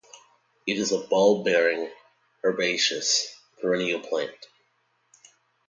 It is a bulb-bearing herbaceous perennial plant.